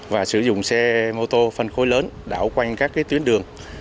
và sử dụng xe mô tô phân khối lớn đảo quanh các tuyến đường